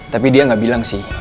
tapi dia nggak bilang sih